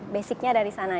basicnya dari sana